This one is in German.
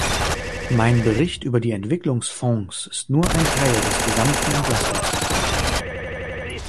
Mein Bericht über die Entwicklungsfonds ist nur ein Teil des gesamten Entlastungsverfahrens.